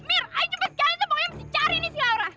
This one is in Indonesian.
mir ayo jemput jalan tembok nya mesti cari nih si laura